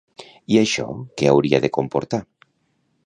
I això que hauria de comportar?